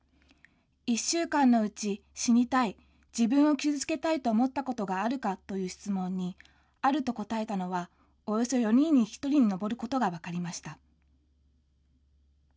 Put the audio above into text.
１週間のうち死にたい、自分を傷つけたいと思ったことがあるかという質問に、あると答えたのは、およそ４人に１人に上ることが分かりました。